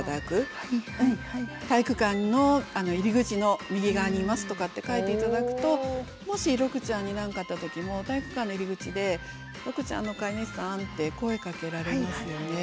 体育館の入り口の右側にいますとかって書いて頂くともしろくちゃんに何かあった時も体育館の入り口で「ろくちゃんの飼い主さん」って声かけられますよね。